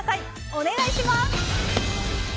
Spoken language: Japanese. お願いします。